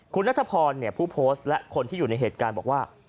คุณนัทพรผู้โพสต์และคนที่อยู่ในเหตุการณ์บอกว่า